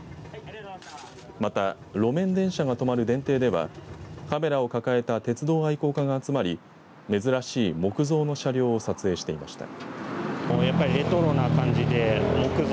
また、路面電車が止まる電停ではカメラを抱えた鉄道愛好家が集まり珍しい木造の車両を撮影していました。